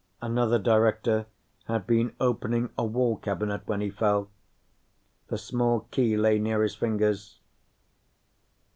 Another Director had been opening a wall cabinet when he fell; the small key lay near his fingers.